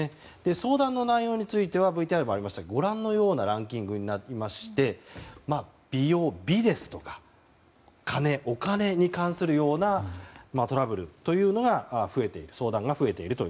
相談の内容についてはＶＴＲにもありましたご覧のようなランキングでして美容、美ですとか金、お金に関するようなトラブルというのが増えている相談が増えていると。